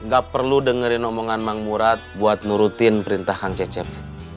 gak perlu dengerin omongan mang murad buat nurutin perintah kang cecep